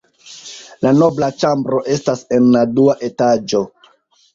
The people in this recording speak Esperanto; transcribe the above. La nobla ĉambro estas en la dua etaĝo.